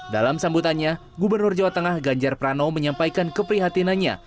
dalam sambutannya gubernur jawa tengah ganjar pranowo menyampaikan keprihatinannya